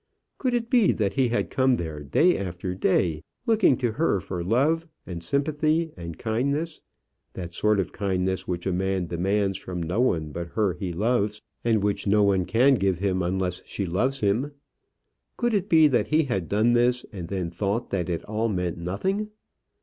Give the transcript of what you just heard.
Could it be that he had come there day after day, looking to her for love, and sympathy, and kindness that sort of kindness which a man demands from no one but her he loves, and which no one can give him unless she loves him? Could it be that he had done this and then thought that it all meant nothing?